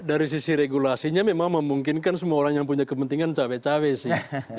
dari sisi regulasinya memang memungkinkan semua orang yang punya kepentingan cawe cawe sih